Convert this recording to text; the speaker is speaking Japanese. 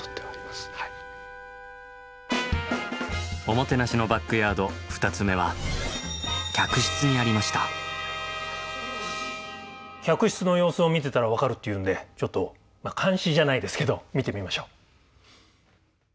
おもてなしのバックヤード２つ目は客室の様子を見てたら分かるっていうんでちょっと監視じゃないですけど見てみましょう。